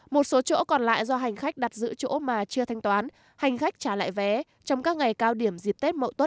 một số chỗ còn lại do hành khách đặt giữ chỗ mà chưa thanh toán hành khách trả lại vé trong các ngày cao điểm dịp tết mậu tuất hai nghìn một mươi tám